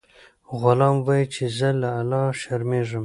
غلام وایي چې زه له الله شرمیږم.